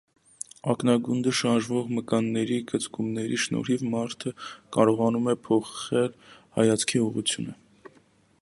Ակնագունդը շարժող մկանների կծկումների շնորհիվ մարդը կարողանում է փոխել հայացքի ուղղությունը։